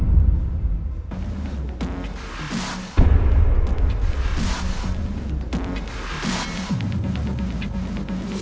sampai jumpa di video selanjutnya